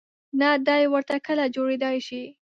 نه دای ورته کله جوړېدای شي.